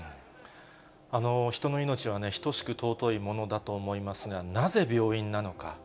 人の命は等しく尊いものだと思いますが、なぜ病院なのか。